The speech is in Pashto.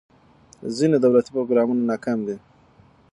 ځینې دولتي پروګرامونه ناکام دي.